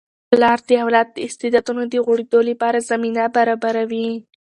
پلار د اولاد د استعدادونو د غوړیدو لپاره زمینه برابروي.